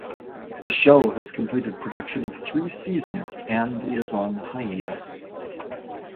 The show has completed production of three seasons and is on hiatus.